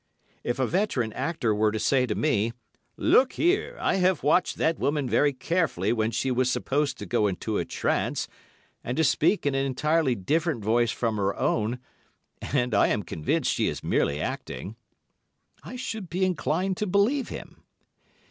If a veteran actor were to say to me, "Look here, I have watched that woman very carefully when she was supposed to go into a trance, and to speak in an entirely different voice from her own, and I am convinced she is merely acting," I should be inclined to believe him.